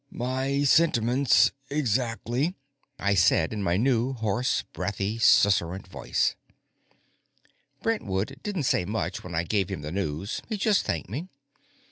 "My sentiments exactly," I said in my new hoarse, breathy, susurrant voice. Brentwood didn't say much when I gave him the news; he just thanked me.